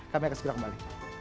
kami akan segera kembali